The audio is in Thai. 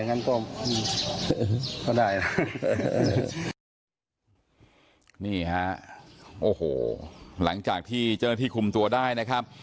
นี่นะฮะโอ้โหหลังจากที่เจ้าหน้าที่คุมตัวได้นะครับ